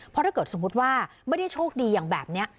เพราะถ้าเกิดสมมุติว่าไม่ได้โชคดีอย่างแบบนี้